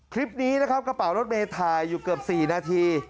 คลิปนี้นะครับกระเป๋ารถเมย์ถ่ายอยู่เกือบ๔นาที